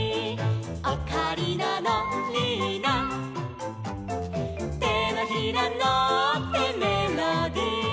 「オカリナのリーナ」「てのひらのってメロディ」